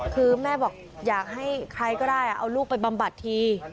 คือแม่บอกอยากให้ใครก็ได้เอาลูกไปบำบัดที